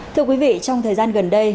thưa quý vị trong thời gian gần đây